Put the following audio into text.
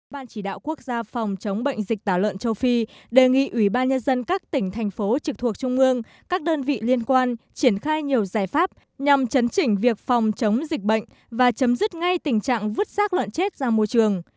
ban chỉ đạo quốc gia phòng chống bệnh dịch tả lợn châu phi đề nghị ủy ban nhân dân các tỉnh thành phố trực thuộc trung ương các đơn vị liên quan triển khai nhiều giải pháp nhằm chấn chỉnh việc phòng chống dịch bệnh và chấm dứt ngay tình trạng vứt sát lợn chết ra môi trường